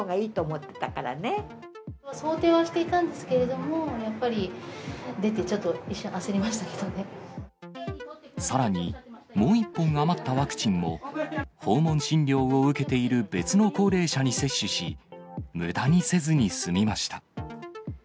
想定はしていたんですけれども、やっぱり出て、さらに、もう１本余ったワクチンも、訪問診療を受けている別の高齢者に接種し、むだにせずに済みました。